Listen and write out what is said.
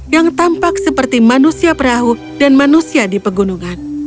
yang tampak seperti manusia perahu dan manusia di pegunungan